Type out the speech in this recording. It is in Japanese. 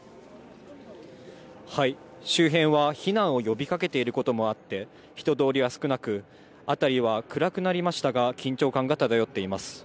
周辺は避難を呼びかけていることもあって、人通りは少なく、辺りは暗くなりましたが、緊張感が漂っています。